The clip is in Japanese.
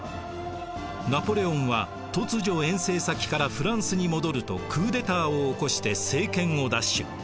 ナポレオンは突如遠征先からフランスに戻るとクーデターを起こして政権を奪取。